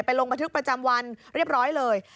ลงบันทึกประจำวันเรียบร้อยเลย